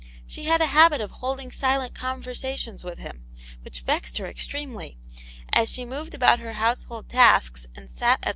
She had a habit of holding silent conversations with him, which vexed her extremely; Bs she moved about her househoVd X^sVa ^tA ^^"^ 90 Aunt Jane's Hero..